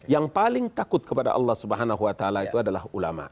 yang paling takut kepada allah swt itu adalah ulama